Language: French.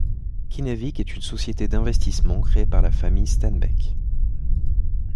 Kinnevik est une société d'investissement créée par la famille Stenbeck.